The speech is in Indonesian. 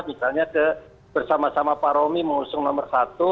misalnya bersama sama pak romi mengusung nomor satu